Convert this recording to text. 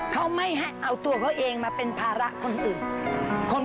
เขาไม่ให้เอาตัวเขาเองมาเป็นภาระคนอื่น